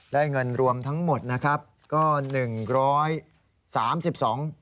เงินรวมทั้งหมดนะครับก็หนึ่งร้อยสามสิบสอง